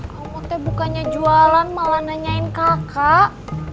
kamu waktu bukannya jualan malah nanyain kakak